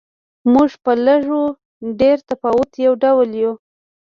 موږ په لږ و ډېر تفاوت یو ډول یو.